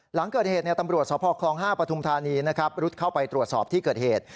หลังเกิดเหตุตำรวจสพคลอง๕ปทุมธานีนะครับรุดเข้าไปตรวจสอบที่เกิดเหตุ